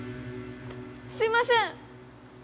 すいません！